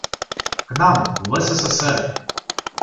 К нам, в СССР!